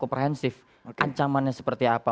komprehensif ancamannya seperti apa